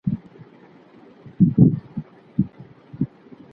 که ګاونډیان له یو بل سره مرسته وکړي، نو ستونزي نه ډیریږي.